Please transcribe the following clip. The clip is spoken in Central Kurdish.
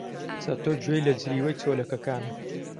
چەتۆ گوێی لە جریوەی چۆلەکەکانە.